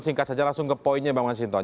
singkat saja langsung ke poinnya bank masinton